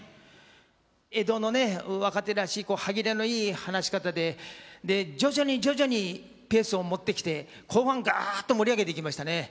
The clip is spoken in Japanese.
江戸のね若手らしい歯切れのいい話し方でで徐々に徐々にペースを持ってきて後半がっと盛り上げていきましたね。